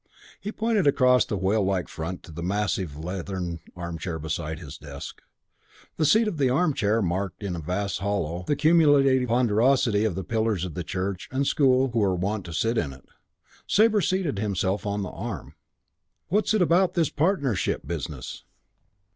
He pointed across the whale like front to the massive leathern armchair beside his desk. The seat of the armchair marked in a vast hollow the cumulative ponderosity of the pillars of Church and School who were wont to sit in it. Sabre seated himself on the arm. "Was it about this partnership business?"